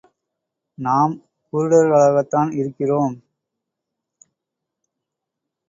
நாம் குருடர்களாகத்தான் இருக்கிறோம்.